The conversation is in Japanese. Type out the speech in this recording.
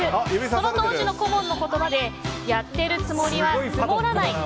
その当時の顧問の言葉でやってるつもりはつもらない。